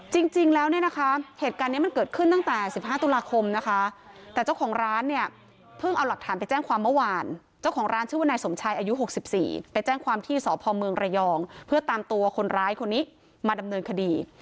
จริงแล้วเนี่ยนะคะเหตุการณ์นี้มันเกิดขึ้นตั้งแต่๑๕ตุลาคมนะคะแต่เจ้าของร้านเนี่ยเพิ่งเอาหลักฐานไปแจ้งความเมื่อวานเจ้าของร้านชื่อว่านายสมชายอายุ๖๔ไปแจ้งความที่สพเมืองระยองเพื่อตามตัวคนร้ายคนนี้มาดำเนินคดี